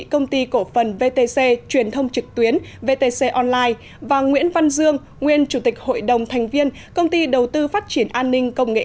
công ty cổ phần vtc truyền thông trực tuyến vtc online và nguyễn văn dương nguyên chủ tịch hội đồng thành viên công ty đầu tư phát triển an ninh công nghệ